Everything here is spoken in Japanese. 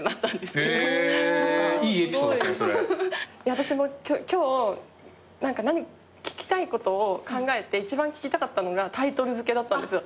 私も今日聞きたいことを考えて一番聞きたかったのがタイトル付けだったんですよ。